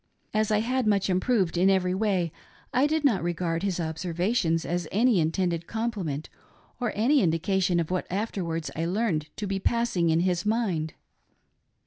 As I had much improved in every way I did not regard his observations as any intended compliment or any. indication of what afterwards I learned to be passing in his mind.